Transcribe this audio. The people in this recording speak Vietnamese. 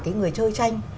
cái người chơi tranh